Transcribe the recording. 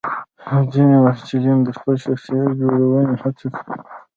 ځینې محصلین د خپل شخصیت جوړونې هڅه کوي.